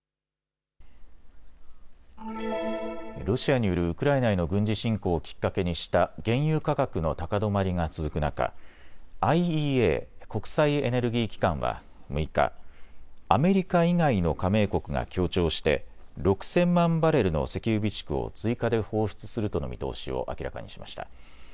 ロシアによるウクライナへの軍事侵攻をきっかけにした原油価格の高止まりが続く中、ＩＥＡ・国際エネルギー機関は６日、アメリカ以外の加盟国が協調して６０００万バレルの石油備蓄を追加で放出するとの見通しを明らかにしました。